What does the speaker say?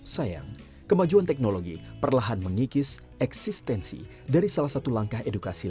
sayang kemajuan teknologi perlahan mengikis eksistensi dari salah satu langkah edukasi